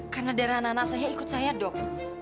karena darah anak anak saya ikut saya dok